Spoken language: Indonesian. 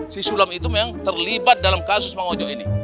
si sulam itu memang terlibat dalam kasus mangojo ini